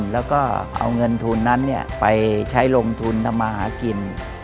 แล้วก็เอาเงินทุนนั้นไปใช้ลงทุนทำมาหากิน